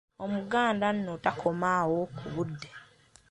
Omuganda nno takoma awo ku budde.